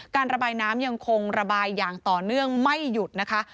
การระบายน้ำยังคงระบายอย่างต่อเนื่องไม่หยุดนะคะ